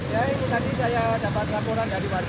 ya itu tadi saya dapat laporan dari warga